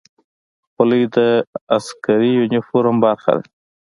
خولۍ د عسکري یونیفورم برخه ده.